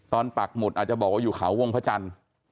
ตอนปากหมดอาจจะบอกอยู่เขาวงพจร